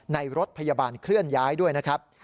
รถพยาบาลเคลื่อนย้ายด้วยนะครับ